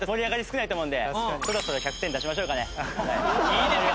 いいですか？